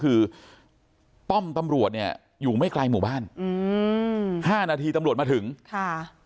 คือป้อมตำรวจเนี่ยอยู่ไม่ไกลหมู่บ้านอืมห้านาทีตำรวจมาถึงค่ะ